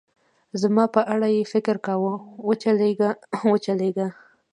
زما په اړه یې فکر کاوه، و چلېږه، و چلېږه.